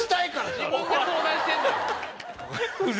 自分が相談してんだろ。